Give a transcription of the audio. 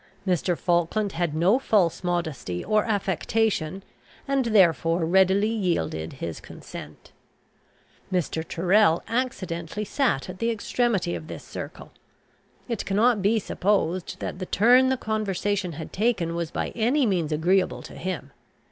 Mr. Falkland had no false modesty or affectation, and therefore readily yielded his consent. Mr. Tyrrel accidentally sat at the extremity of this circle. It cannot be supposed that the turn the conversation had taken was by any means agreeable to him.